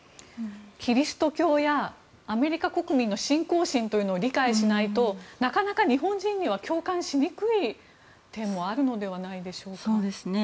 キリスト教やアメリカ国民の信仰心を理解しないとなかなか、日本人には共感しにくい点もあるのではないでしょうか。